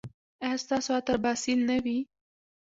ایا ستاسو عطر به اصیل نه وي؟